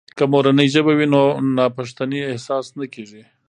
که مورنۍ ژبه وي، نو ناپښتنې احساس نه کیږي.